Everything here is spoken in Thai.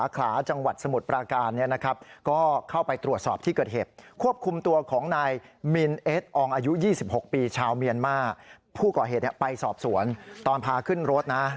ค่ะค่ะค่ะค่ะค่ะเพื่อนร่วมงานกันทั้งนั้นนะฮะ